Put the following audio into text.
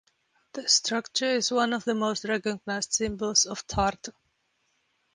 The structure is one of the most recognised symbols of Tartu.